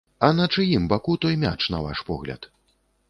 А на чыім баку той мяч, на ваш погляд?